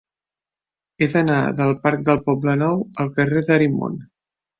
He d'anar del parc del Poblenou al carrer d'Arimon.